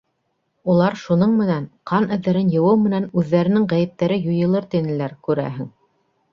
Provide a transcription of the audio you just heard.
Улар шуның менән, ҡан эҙҙәрен йыуыу менән, үҙҙәренең ғәйептәре юйылыр тинеләр, күрәһең.